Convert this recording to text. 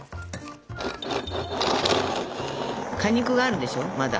果肉があるでしょまだ。